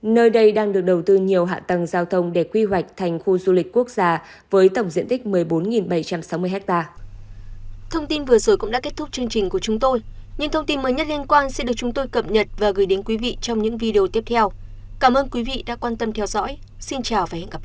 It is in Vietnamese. nơi đây đang được đầu tư nhiều hạ tầng giao thông để quy hoạch thành khu du lịch quốc gia với tổng diện tích một mươi bốn bảy trăm sáu mươi hectare